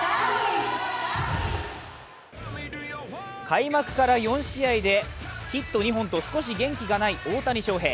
開幕から４試合でヒット２本と少し元気がない大谷翔平。